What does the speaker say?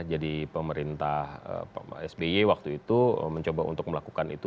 jadi pemerintah sby waktu itu mencoba untuk melakukan itu